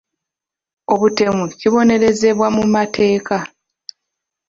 Obutemu kibonerezebwa mu mateeka.